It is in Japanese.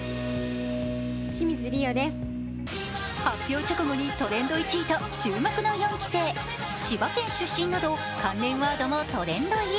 発表直後にトレンド１位と注目の４期生「千葉県出身」など関連ワードもトレンド入り。